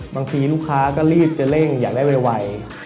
บางทีลูกค้าก็รีบจะเร่งอยากได้ไว